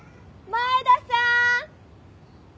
前田さーん！